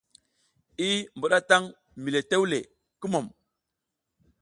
I mbuɗatan mi le tewle, kumum !